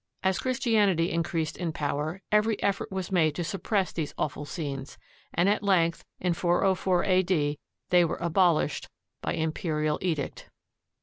As Christianity increased in power, every effort was made to suppress these awful scenes, and at length, in 404 a.d., they were aboUshed by imperial edict.